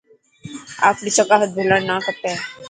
آپري ثقافت ڀلڻ نا کپي.